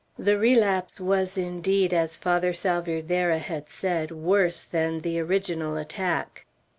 The relapse was indeed, as Father Salvierderra had said, worse than the original attack.